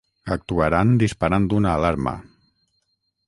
actuaran disparant una alarma